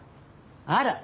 あら！